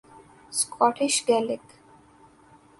Scottish Gaelic